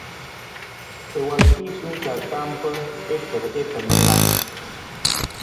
I wal fiisung ka tam pa i kpar i tamar na.